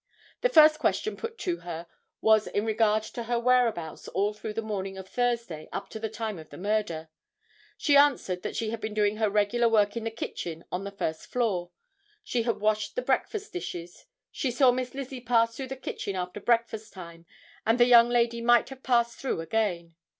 The first question put to her was in regard to her whereabouts all through the morning of Thursday up to the time of the murder. She answered that she had been doing her regular work in the kitchen on the first floor. She had washed the breakfast dishes. She saw Miss Lizzie pass through the kitchen after breakfast time and the young lady might have passed through again.